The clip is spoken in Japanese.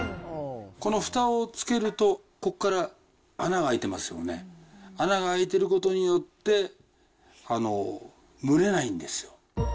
このふたをつけると、ここから、穴が開いてますよね、穴が開いてることによって、蒸れないんですよ。